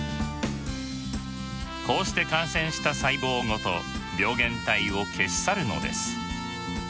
こうして感染した細胞ごと病原体を消し去るのです。